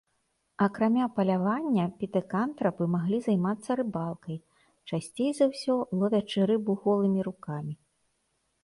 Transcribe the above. Акрамя палявання, пітэкантрапы маглі займацца рыбалкай, часцей за ўсё, ловячы рыбу голымі рукамі.